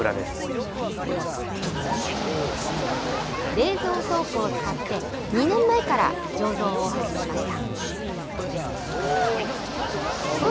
冷蔵倉庫を使って、２年前から醸造を始めました。